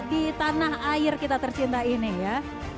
di tanah air kita tercinta ini ya